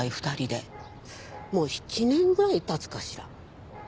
もう７年ぐらい経つかしら。